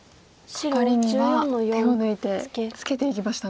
カカリには手を抜いてツケていきましたね。